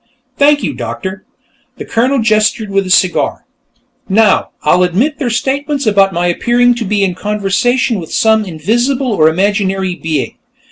"Thank you, Doctor." The Colonel gestured with his cigar. "Now, I'll admit their statements about my appearing to be in conversation with some invisible or imaginary being.